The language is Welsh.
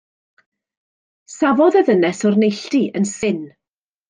Safodd y ddynes o'r neilltu, yn syn.